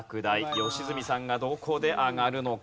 良純さんがどこで上がるのか？